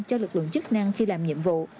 cho lực lượng chức năng khi làm nhiệm vụ